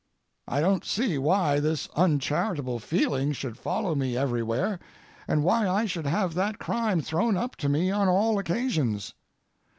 I don't see why this uncharitable feeling should follow me everywhere, and why I should have that crime thrown up to me on all occasions.